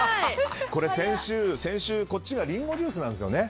これ先週、こっちがリンゴジュースなんですよね。